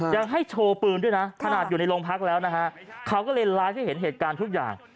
ยังให้โชว์ปืนด้วยนะขนาดอยู่ในโรงพักแล้วนะฮะเขาก็เลยไลฟ์ให้เห็นเหตุการณ์ทุกอย่าง